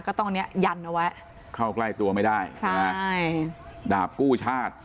ก็ต้องเนี้ยยันเอาไว้เข้าใกล้ตัวไม่ได้ใช่ไหมใช่ดาบกู้ชาติ